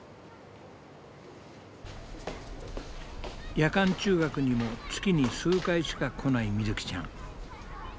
夜間中学にも月に数回しか来ないみずきちゃん。